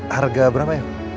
harga berapa ya